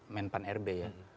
men pan r b ya